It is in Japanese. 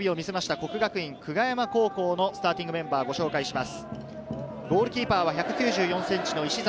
國學院久我山高校のスターティングメンバーをご紹介します。